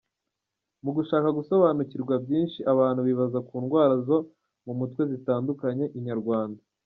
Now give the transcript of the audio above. Mu gushaka gusobanukirwa byinshi abantu bibaza ku ndwara zo mu mutwe zitandukanye, Inyarwanda.